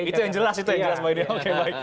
oke itu yang jelas itu yang jelas bang idin oke baik